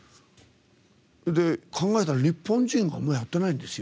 考えたら日本人あんまりやってないんですよ。